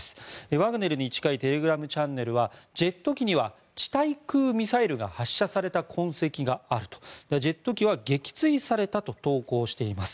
ワグネルに近いテレグラムチャンネルはジェット機には地対空ミサイルが発射された痕跡があるとジェット機は撃墜されたと投稿しています。